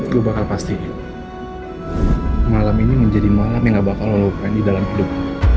gua bakal pasti malam ini menjadi malam yang nggak bakal lo lupain di dalam hidup